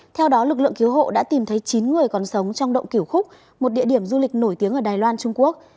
theo đó lực lượng cứu hộ đã tìm thấy chín người còn sống trong động kiểu khúc một địa điểm du lịch nổi tiếng ở đài loan trung quốc